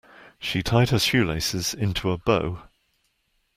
She tied her shoelaces into a bow.